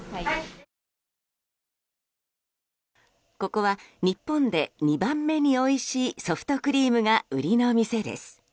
ここは日本で２番目においしいソフトクリームが売りの店です。